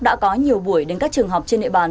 đã có nhiều buổi đến các trường học trên địa bàn